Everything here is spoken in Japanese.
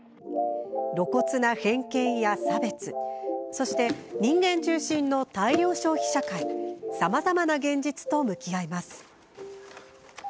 露骨な偏見や差別そして人間中心の大量消費社会さまざまな現実と向き合います。